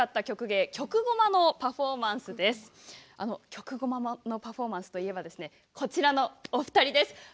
曲ごまのパフォーマンスといえばこちらのお二人です。